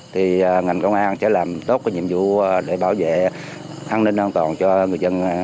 thì ngành công an sẽ làm tốt nhiệm vụ để bảo vệ an ninh an toàn cho người dân ăn tết